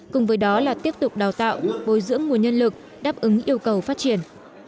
cùng với đó là tiếp tục đào tạo bồi dưỡng nguồn nhân lực đáp ứng yêu cầu phát triển